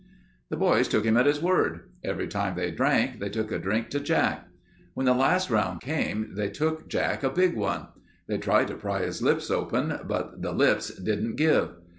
"The boys took him at his word. Every time they drank, they took a drink to Jack. When the last round came they took Jack a big one. They tried to pry his lips open but the lips didn't give.